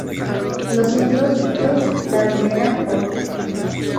Los ciclos "La bella molinera" Op.